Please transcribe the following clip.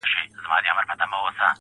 خدایه ته چیري یې او ستا مهرباني چیري ده.